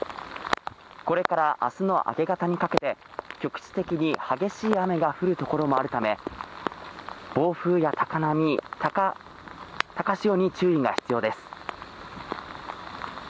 これから、明日の明け方にかけて局地的に激しい雨が降るところもあるため暴風や高波、高潮に注意が必要です。